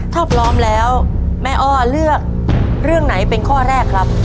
ถ้าพร้อมแล้วแม่อ้อเลือกเรื่องไหนเป็นข้อแรกครับ